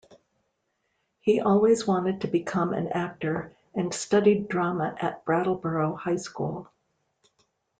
He always wanted to become an actor and studied drama at Brattleboro High School.